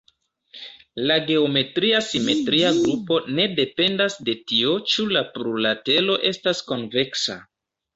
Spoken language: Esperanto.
La geometria simetria grupo ne dependas de tio ĉu la plurlatero estas konveksa.